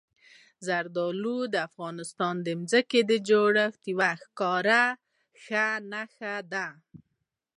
زردالو د افغانستان د ځمکې د جوړښت یوه ښکاره نښه ده.